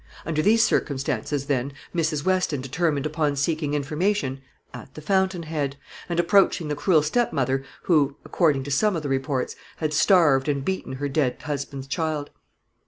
Under these circumstances, then, Mrs. Weston determined upon seeking information at the fountain head, and approaching the cruel stepmother, who, according to some of the reports, had starved and beaten her dead husband's child.